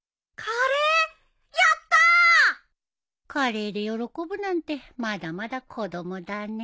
カレーで喜ぶなんてまだまだ子供だね